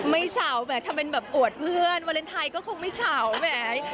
ไม่สาวแหมทำเป็นแบบอวดเพื่อนวาเลนไทยก็คงไม่เฉาแหม